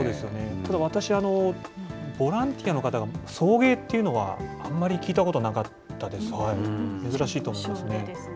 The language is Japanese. ただ私、ボランティアの方が送迎っていうのは、あんまり聞いたことなかったですから、珍しいと思いますね。